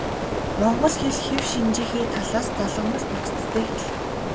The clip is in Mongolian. Монгол хэл хэв шинжийнхээ талаас залгамал бүтэцтэй хэл.